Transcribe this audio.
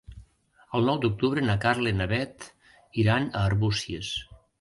El nou d'octubre na Carla i na Bet iran a Arbúcies.